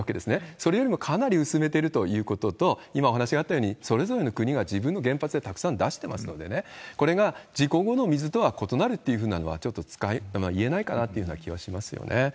それよりもかなり薄めてるということと、今お話があったように、それぞれの国が自分の原発でたくさん出してますのでね、これが事故後の水とは異なるというふうなのは、ちょっと言えないかなという気はしますよね。